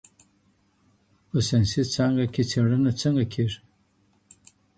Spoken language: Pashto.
په ساینسي څانګه کي څېړنه څنګه کېږي؟